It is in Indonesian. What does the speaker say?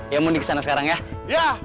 iya mundi kesana sekarang ya